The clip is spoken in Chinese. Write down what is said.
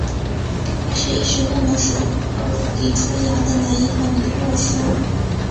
他是一直默默守护黎初遥的男一号李洛书！